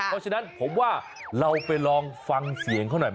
เพราะฉะนั้นผมว่าเราไปลองฟังเสียงเขาหน่อยไหม